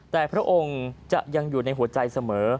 แต่พระองค์จะยังอยู่ในหัวใจเสมอ